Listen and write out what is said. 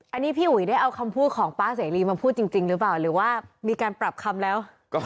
อันนี้พี่อุ๋ยได้เอาคำพูดของป๊าเสรีมาพูดจริงหรือเปล่าหรือว่ามีการปรับคำแล้ว